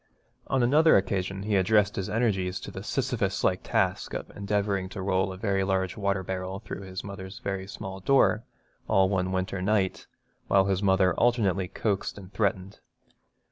On another occasion he addressed his energies to the Sisyphus like task of endeavouring to roll a very large water barrel through his mother's very small door, all one winter night, while his mother alternately coaxed and threatened.